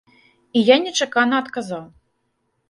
І я нечакана адказаў.